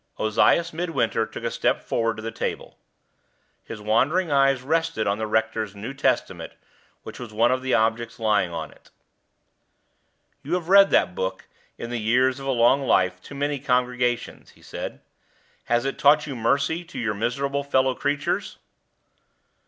Ozias Midwinter took a step forward to the table. His wandering eyes rested on the rector's New Testament, which was one of the objects lying on it. "You have read that Book, in the years of a long life, to many congregations," he said. "Has it taught you mercy to your miserable fellow creatures?"